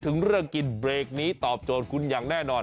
ถึงเรื่องกินเบรกนี้ตอบโจทย์คุณอย่างแน่นอน